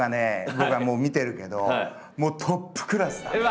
僕は見てるけどもうトップクラスだね。